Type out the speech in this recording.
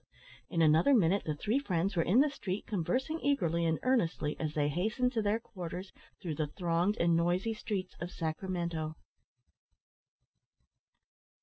In another minute the three friends were in the street, conversing eagerly and earnestly as they hastened to their quarters through the thronged and noisy streets of Sacramento.